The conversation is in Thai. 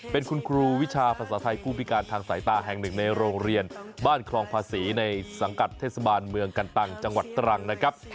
เป็นคุณครูวิชาภาษาไทยผู้พิการทางสายตาแห่งหนึ่งในโรงเรียนบ้านคลองภาษีในสังกัดเทศบาลเมืองกันตังจังหวัดตรังนะครับ